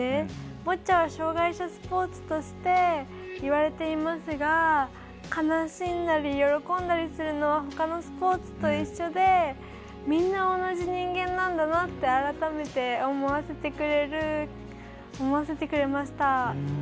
ボッチャは障がい者スポーツといわれていますが悲しんだり喜んだりするのはほかのスポーツと一緒で、みんな同じ人間なんだなって改めて思わせてくれました。